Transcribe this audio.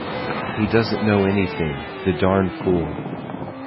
He doesn't know anything, the darn fool!